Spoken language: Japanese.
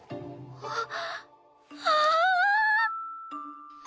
あっ。